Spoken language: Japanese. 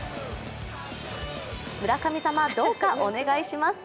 村神様、どうかお願いします。